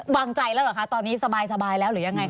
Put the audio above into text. วางใจแล้วเหรอคะตอนนี้สบายแล้วหรือยังไง